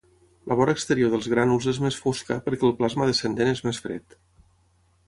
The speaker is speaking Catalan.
La vora exterior dels grànuls és mes fosca perquè el plasma descendent és més fred.